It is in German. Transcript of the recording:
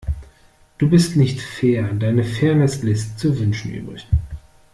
Du bist nicht fair, deine Fairness lässt zu wünschen übrig.